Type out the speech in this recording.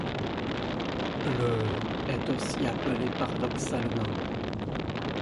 Le ' est aussi appelé paradoxalement '.